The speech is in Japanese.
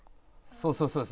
そうそう。